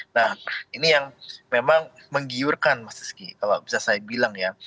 nah ini yang memang menggiurkan mas rizky kalau bisa saya bilang ya